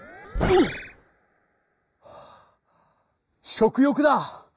食欲だ。